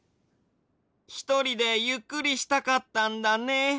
ひとりでゆっくりしたかったんだね。